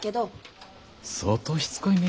相当しつこいね君も。